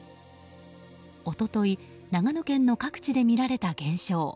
一昨日長野県の各地で見られた現象。